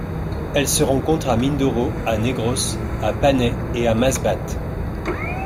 Elle se rencontre à Mindoro, à Negros, à Panay et à Masbate.